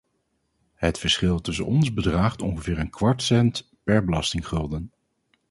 Het verschil tussen ons bedraagt ongeveer een kwartcent per belastinggulden.